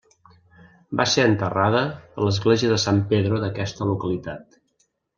Va ser enterrada a l'església de San Pedro d'aquesta localitat.